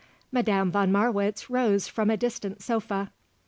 Madame von Marwitz rose from a distant sofa.